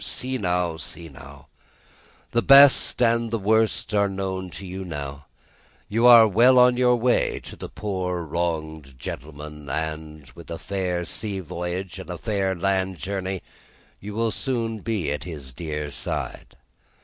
See now, see now! The best and the worst are known to you, now. You are well on your way to the poor wronged gentleman, and, with a fair sea voyage, and a fair land journey, you will be soon at his dear side."